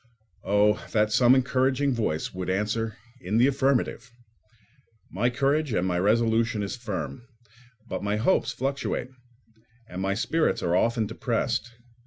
Oh, that some encouraging voice would answer in the affirmative! My courage and my resolution is firm; but my hopes fluctuate, and my spirits are often depressed.